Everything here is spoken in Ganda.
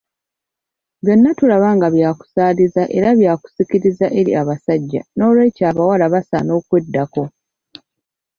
Byonna tulaba nga byakusaaliza era byakusikiriza eri abasajja nolwekyo abawala basaana okweddako